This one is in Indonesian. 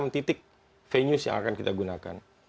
enam belas titik venues yang akan kita gunakan